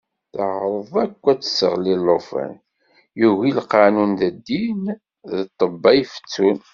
Teɛreḍ akk ad d-tesseɣli llufan yugi lqanun d ddin d ṭebba ifettun.